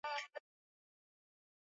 Lo! Wezi walituvamia jana usiku.